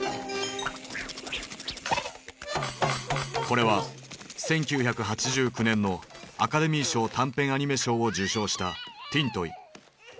これは１９８９年のアカデミー賞短編アニメ賞を受賞した「ＴｉｎＴｏｙ」。